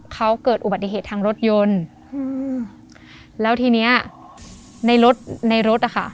เขาเกิดอุบัติเหตุทางรถยนต์อืมแล้วทีเนี้ยในรถในรถอ่ะค่ะ